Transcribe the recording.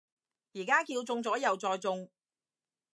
而家叫中咗右再中